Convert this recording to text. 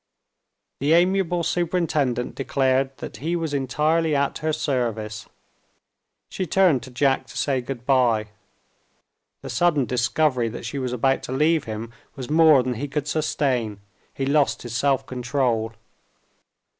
The amiable superintendent declared that he was entirely at her service. She turned to Jack to say good bye. The sudden discovery that she was about to leave him was more than he could sustain; he lost his self control.